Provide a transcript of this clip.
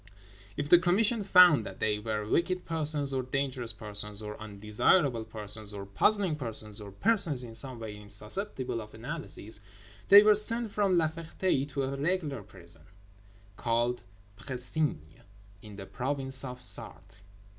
If the Commission found that they were wicked persons or dangerous persons, or undesirable persons, or puzzling persons, or persons in some way insusceptible of analysis, they were sent from La Ferté to a "regular" prison, called Précigne, in the province of Sarthe.